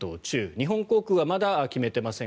日本航空はまだ決めていません。